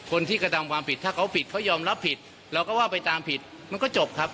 คนที่กระทำความผิดถ้าเขาผิดเขายอมรับผิดเราก็ว่าไปตามผิดมันก็จบครับ